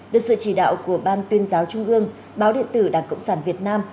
được sự chỉ đạo của ban tuyên giáo trung ương báo điện tử đảng cộng sản việt nam